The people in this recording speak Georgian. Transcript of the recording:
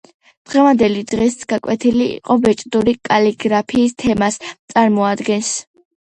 დღევანდელი დღის გაკვეთილი კი ბეჭდური კალიგრაფიის თემას წარმოადგენს.